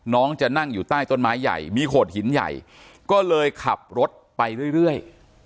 จะนั่งอยู่ใต้ต้นไม้ใหญ่มีโขดหินใหญ่ก็เลยขับรถไปเรื่อย